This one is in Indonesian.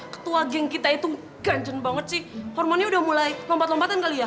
ketua geng kita itu ganjar banget sih hormonnya udah mulai lompat lompatan kali ya